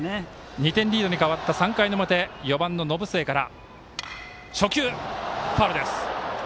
２点リードに変わった３回の表、４番の延末から。